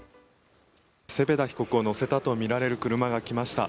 セペダ被告を乗せたとみられる車が来ました。